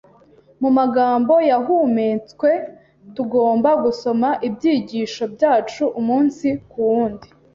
Mu magambo yahumetswe tugomba gusoma ibyigisho byacu umunsi ku wundi.